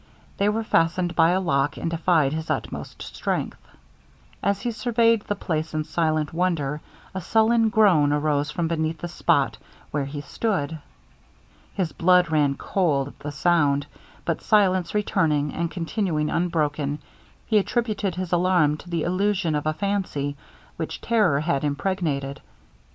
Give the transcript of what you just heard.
They were fastened by a lock, and defied his utmost strength. As he surveyed the place in silent wonder, a sullen groan arose from beneath the spot where he stood. His blood ran cold at the sound, but silence returning, and continuing unbroken, he attributed his alarm to the illusion of a fancy, which terror had impregnated.